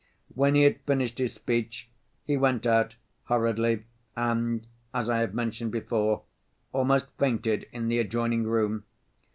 When he had finished his speech, he went out hurriedly and, as I have mentioned before, almost fainted in the adjoining room.